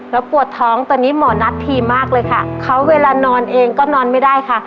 แล้วปวดท้องตอนนี้หมอนัดทีมากเลยค่ะเขาเวลานอนเองก็นอนไม่ได้ค่ะ